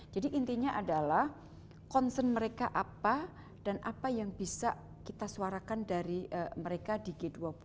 jadi intinya adalah concern mereka apa dan apa yang bisa kita suarakan dari mereka di g dua puluh